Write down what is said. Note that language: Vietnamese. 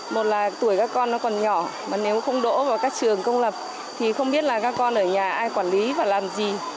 một là tuổi các con nó còn nhỏ mà nếu không đổ vào các trường công lập thì không biết là các con ở nhà ai quản lý và làm gì